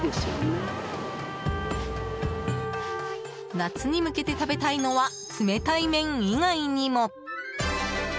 夏に向けて食べたいのは冷たい麺以外にも。